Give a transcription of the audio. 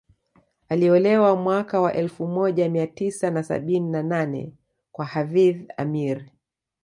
Aliolewa mwaka wa elfu moja Mia tisa na sabini na nane kwa Hafidh Ameir